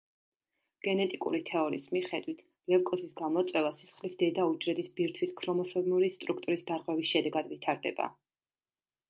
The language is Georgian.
გენეტიკური თეორიის მიხედვით, ლევკოზის გამოწვევა სისხლის დედა უჯრედის ბირთვის ქრომოსომული სტრუქტურის დარღვევის შედეგად ვითარდება.